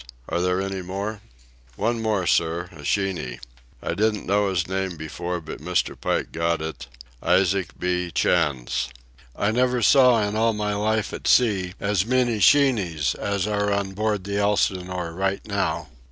"Are there any more?" "One more, sir, a sheeny. I didn't know his name before, but Mr. Pike got it—Isaac B. Chantz. I never saw in all my life at sea as many sheenies as are on board the Elsinore right now.